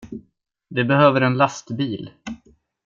De behöver en lastbil.